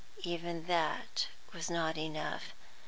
Even that was not enough.